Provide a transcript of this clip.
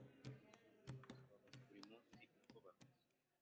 bakababaza buri munsi uko bameze,